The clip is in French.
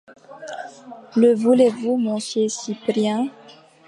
Le voulez-vous, monsieur Cyprien ?